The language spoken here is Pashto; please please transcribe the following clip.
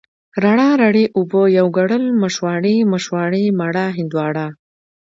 رڼا، رڼې اوبه، يو ګڼل، مشواڼۍ، مشواڼې، مڼه، هندواڼه،